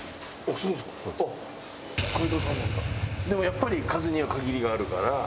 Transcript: でもやっぱり数には限りがあるから。